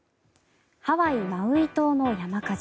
ハワイ・マウイ島の山火事。